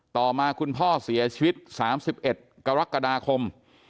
ต่อมาคุณพ่อเสียชีวิต๓๑กรกฎาคม